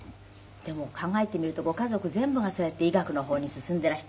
でも考えてみるとご家族全部がそうやって医学の方に進んでいらして。